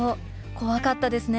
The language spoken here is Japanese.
怖かったですね。